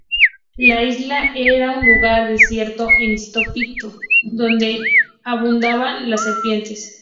La isla era un lugar desierto e inhóspito donde abundaban las serpientes.